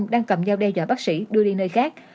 đang cầm nhau đe dọa bác sĩ đưa đi nơi khác